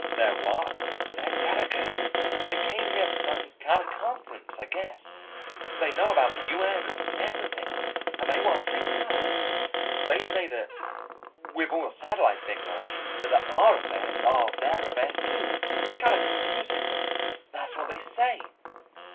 "Their what?" "Their delegate. They came here for some kind of conference, I guess. They know about the UN and everything, and they want to take part. They say that with all the satellites being launched, that our affairs are their affairs, too. It's kind of confusing, but that's what they say."